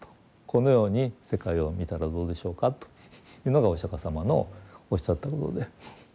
このように世界を見たらどうでしょうかというのがお釈迦様のおっしゃったことで。